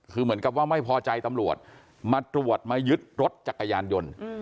คือเหมือนกับว่าไม่พอใจตำรวจมาตรวจมายึดรถจักรยานยนต์